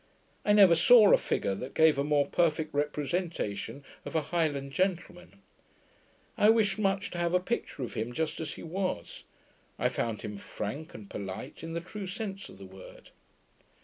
I never saw a figure that gave a more perfect representation of a Highland Gentleman. I wished much to have a picture of him just as he was. I found him frank and POLITE, in the true sense of the word.